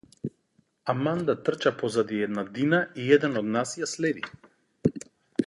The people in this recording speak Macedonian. Аманда трча позади една дина и еден од нас ја следи.